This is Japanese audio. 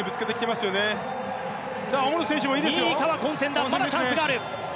まだチャンスがある。